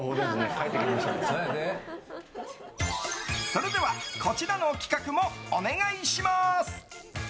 それではこちらの企画もお願いしまーす！